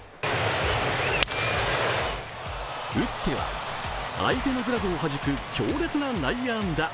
打っては相手のグラブをはじく強烈な内野安打。